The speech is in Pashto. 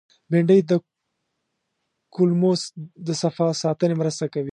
بېنډۍ د کولمو د صفا ساتنې مرسته کوي